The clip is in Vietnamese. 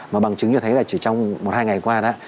mà bằng chứng như thế là chỉ trong một hai ngày qua đó